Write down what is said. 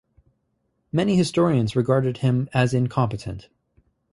Many historians regarded him as incompetent.